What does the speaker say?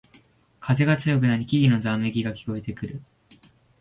風が強くなり木々のざわめきが聞こえてくる